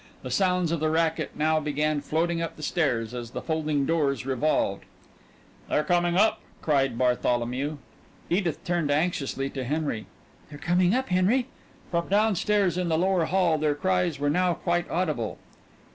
The sounds of the racket now began floating up the stairs as the folding doors revolved. "They're coming up!" cried Bartholomew. Edith turned anxiously to Henry. "They're coming up, Henry." From down stairs in the lower hall their cries were now quite audible.